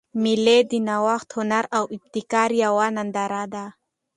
مېلې د نوښت، هنر او ابتکار یوه ننداره ده.